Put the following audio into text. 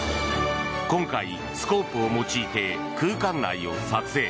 今回、スコープを用いて空間内を撮影。